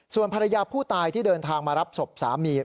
ส่วนภรรยาผู้ตายที่เดินทางมารับศพสามี